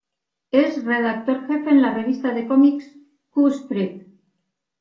Es redactor jefe en la revista de cómics ""Q strip"".